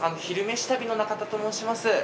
「昼めし旅」の中田と申します。